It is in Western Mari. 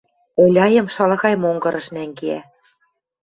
Оляйым шалахай монгырыш нӓнгеӓ.